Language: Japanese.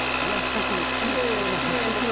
いやしかしきれいな発色！